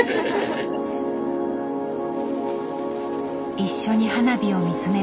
一緒に花火を見つめる。